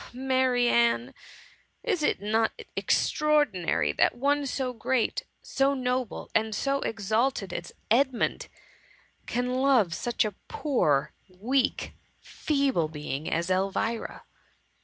Oh, Marianne ! is it not extraor^ dinary that one so great, so noble, and so ex alted as Edmund, can love such a poor^ weak, feeble being as Elvira ?